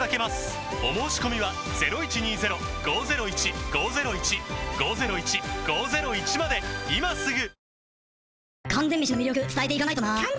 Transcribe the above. お申込みは今すぐ！